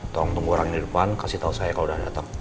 tolong tunggu orangnya di depan kasih tau saya kalau udah datang